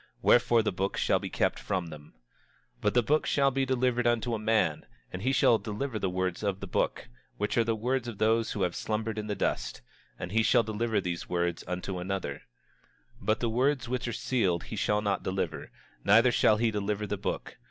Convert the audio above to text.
Wherefore the book shall be kept from them. 27:9 But the book shall be delivered unto a man, and he shall deliver the words of the book, which are the words of those who have slumbered in the dust, and he shall deliver these words unto another; 27:10 But the words which are sealed he shall not deliver, neither shall he deliver the book.